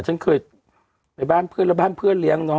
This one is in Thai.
ฉันเคยไปบ้านเพื่อนแล้วบ้านเพื่อนเลี้ยงเนาะ